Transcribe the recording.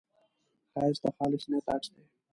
ښایست د خالص نیت عکس دی